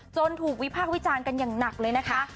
ถูกวิพากษ์วิจารณ์กันอย่างหนักเลยนะคะ